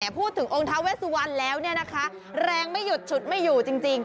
พูดถึงองค์ท้าเวสวันแล้วแรงไม่หยุดฉุดไม่อยู่จริง